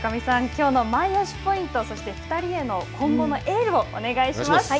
きょうのマイオシポイントそして、２人への今後のエールをお願いします。